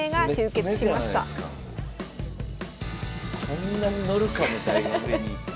こんなにのるかみたいな上に。